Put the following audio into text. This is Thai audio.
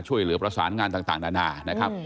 ช่วยเหลือประสานงานต่างด่านา